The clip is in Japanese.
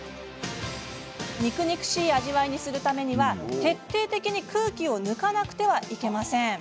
肉肉しい味わいにするためには徹底的に空気を抜かなくてはいけません。